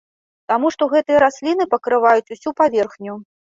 Таму што гэтыя расліны пакрываюць усю паверхню.